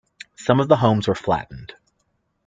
Some of the homes were flattened.